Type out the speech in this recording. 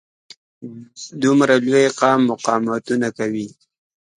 دومره لوی قوم مقاومتونه کوي.